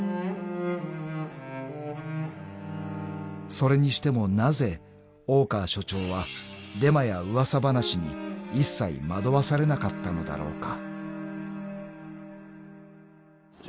［それにしてもなぜ大川署長はデマや噂話に一切惑わされなかったのだろうか］